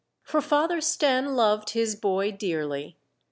For Father Stenne loved his boy dearly.